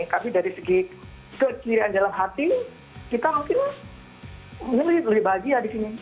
tapi dari segi kekirian dalam hati kita mungkin lebih bahagia di sini